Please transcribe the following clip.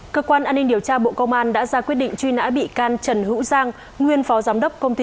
cơ quan an ninh điều tra bộ công an đã ra quyết định truy nã bị can trần hữu giang nguyên phó giám đốc công ty